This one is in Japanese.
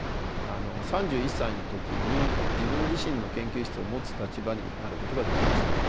３１歳の時に自分自身の研究室を持つ立場になることができました。